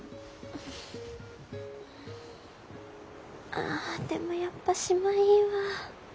ああでもやっぱ島いいわ。